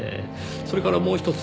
それからもうひとつ。